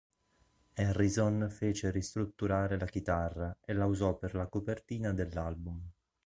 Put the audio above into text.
Harrison fece ristrutturare la chitarra e la usò per la copertina dell'album.